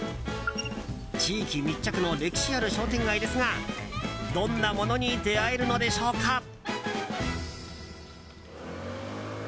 地域密着の歴史ある商店街ですがどんなものに出会えるのでしょうか。